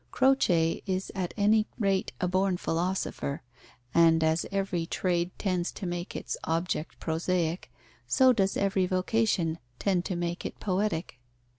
Croce is at any rate a born philosopher, and as every trade tends to make its object prosaic, so does every vocation tend to make it poetic.